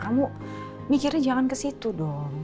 kamu mikirnya jangan kesitu dong